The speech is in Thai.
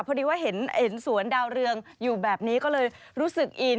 พอดีว่าเห็นสวนดาวเรืองอยู่แบบนี้ก็เลยรู้สึกอิน